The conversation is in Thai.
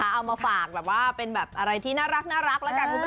เอามาฝากแบบว่าเป็นแบบอะไรที่น่ารักแล้วกันคุณผู้ชม